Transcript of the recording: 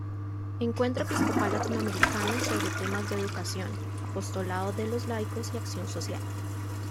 Encuentro Episcopal Latino-Americano sobre temas de educación, apostolado de los laicos y acción social.